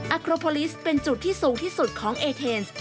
โครโพลิสเป็นจุดที่สูงที่สุดของเอเทนส์